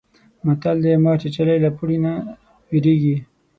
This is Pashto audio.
متل دی: مار چیچلی له پړي نه وېرېږي.